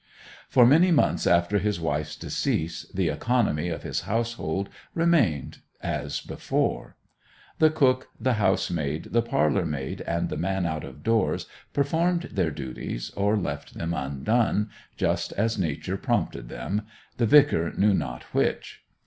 For many months after his wife's decease the economy of his household remained as before; the cook, the housemaid, the parlour maid, and the man out of doors performed their duties or left them undone, just as Nature prompted them—the vicar knew not which.